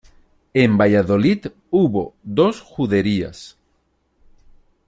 En Valladolid hubo dos juderías.